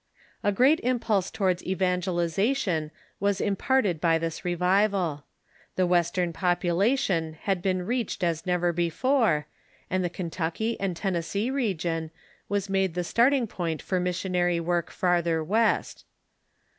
A great impulse towards evangelization was imparted by this revival. The Western population had been reached as never before, and the Kentucky and Tennessee regrion Results ..•'..^ was made the starting point for missionary work farther west.